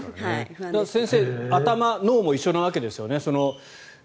先生頭、脳も一緒なわけですよね。